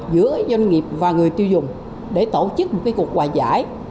giữa doanh nghiệp và người tiêu dùng để tổ chức một cuộc hòa giải